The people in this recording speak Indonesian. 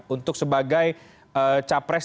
untuk sebagai capres